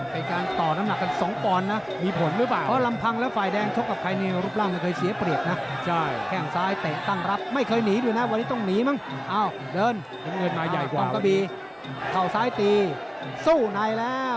เป็นการต่อน้ำหนักกัน๒ปอนด์นะ